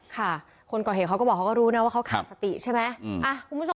ค่ะคนเก่าเหตุเขาก็บอกเขาก็รู้นะว่าเขาขาดสติใช่ไหม